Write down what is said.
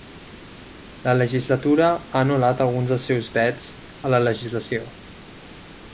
La legislatura ha anul·lat alguns dels seus vets a la legislació.